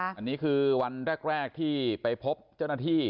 อันนี้คือวันแรกที่ไปพบเจ้าหน้าที่